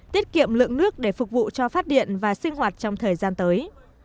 tiết kiệm lượng nước để phục vụ cho phát điện và sinh hoạt trong thời gian tới